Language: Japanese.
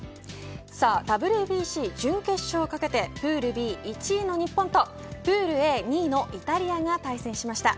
ＷＢＣ準決勝をかけてプールＢ１位の日本とプールＡ２位のイタリアが対戦しました。